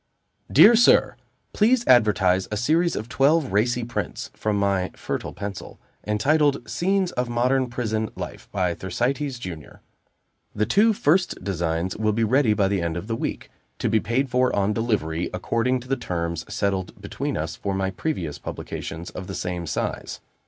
"DEAR SIR Please advertise a series of twelve Racy Prints, from my fertile pencil, entitled, 'Scenes of Modern Prison Life,' by Thersites Junior. The two first designs will be ready by the end of the week, to be paid for on delivery, according to the terms settled between us for my previous publications of the same size.